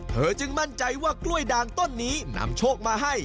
จึงมั่นใจว่ากล้วยด่างต้นนี้นำโชคมาให้